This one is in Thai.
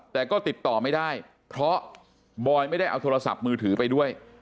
แต่ก็ติดต่อไม่ได้เพราะบอยไม่ได้เอาโทรศัพท์มือถือไปด้วย